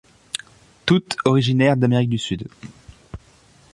Toutes originaires d'Amérique du Sud.